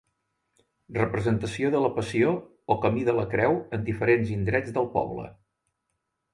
Representació de la Passió o Camí de la Creu en diferents indrets del poble.